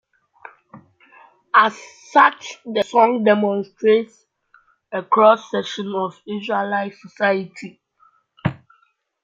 As such, the song demonstrates a cross section of Israeli society.